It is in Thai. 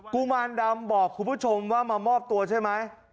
กุมารดำบอกคุณผู้ชมว่ามามอบตัวใช่ไหม